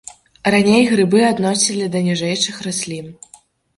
Раней грыбы адносілі да ніжэйшых раслін.